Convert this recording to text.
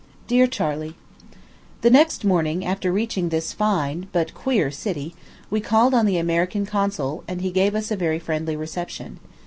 DEAR CHARLEY: The next morning after reaching this fine, but queer city, we called on the American consul, and he gave us a very friendly reception.